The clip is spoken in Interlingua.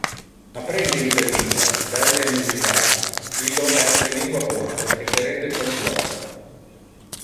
Apprende interlingua, belle e musical! Illo es le lingua ponte que te rende polyglotta.